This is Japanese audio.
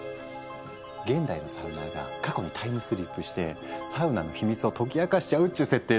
現代のサウナーが過去にタイムスリップしてサウナの秘密を解き明かしちゃうっちゅう設定で。